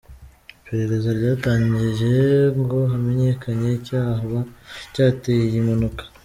Iperereza ryatangiye ngo hamenyekanye icyaba cyateye iyi mpanuka.